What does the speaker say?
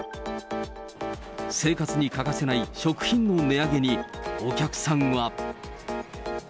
生活に欠かせない食品の値上げに、お客さんは。